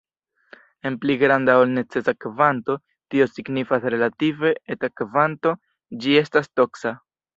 En pli granda ol necesa kvanto, tio signifas relative eta kvanto, ĝi estas toksa.